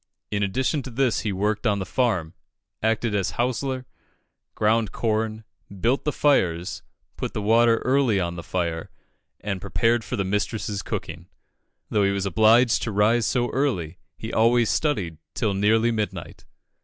In addition to this he worked on the farm, acted as hostler, ground corn, built the fires, put the water early on the fire, and prepared for the mistress's cooking. Though he was obliged to rise so early, he always studied till nearly midnight.